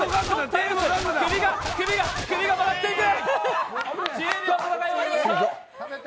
首が回っていく！